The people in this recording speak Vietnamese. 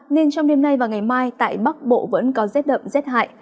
nên trong đêm nay và ngày mai tại bắc bộ vẫn có rét đậm rét hại